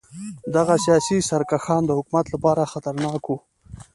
دغه سیاسي سرکښان د حکومت لپاره خطرناک وو.